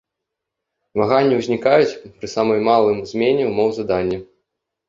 Ваганні ўзнікаюць пры самой малым змене ўмоў задання.